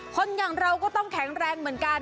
คนอย่างเราก็ต้องแข็งแรงเหมือนกัน